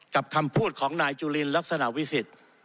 กับคำพูดของนายจุลินลักษณะวิสิต